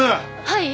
はい！